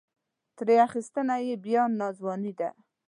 ترې اخیستنه یې بیا ناځواني ده.